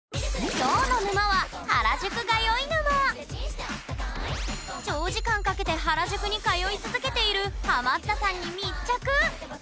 きょうの沼は長時間かけて原宿に通い続けているハマったさんに密着！